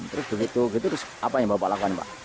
terus begitu terus apa yang bapak lakukan mbak